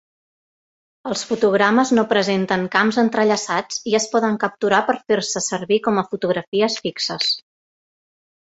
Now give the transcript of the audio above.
Els fotogrames no presenten camps entrellaçats i es poden capturar per fer-se servir com a fotografies fixes.